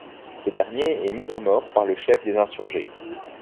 Ce dernier est mis à mort par le chef des insurgés.